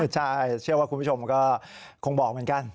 ใช่เชื่อว่าคุณผู้ชมก็คงบอกเหมือนกัน